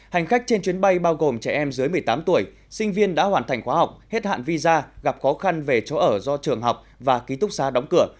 hành khách trên chuyến bay bao gồm trẻ em dưới một mươi tám tuổi sinh viên đã hoàn thành khóa học hết hạn visa gặp khó khăn về chỗ ở do trường học và ký túc xa đóng cửa